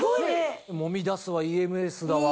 もみ出すわＥＭＳだわ。